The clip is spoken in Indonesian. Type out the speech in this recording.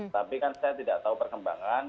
tapi kan saya tidak tahu perkembangan